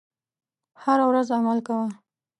هره ورځ عمل کوه .